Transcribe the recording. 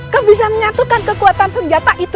kau bisa menyatukan kekuatan senjata itu